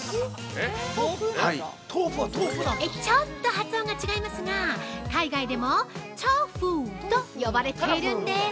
◆えっ、ちょっと発音が違いますが海外でも「トゥーフ」と呼ばれているんです。